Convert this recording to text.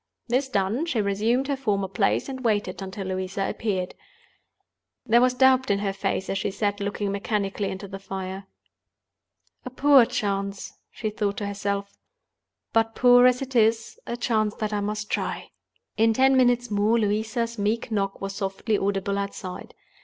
This done, she resumed her former place, and waited until Louisa appeared. There was doubt in her face as she sat looking mechanically into the fire. "A poor chance," she thought to herself; "but, poor as it is, a chance that I must try." In ten minutes more, Louisa's meek knock was softly audible outside.